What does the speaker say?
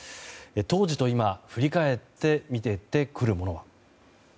当時と今、振り返って見えてくるものは。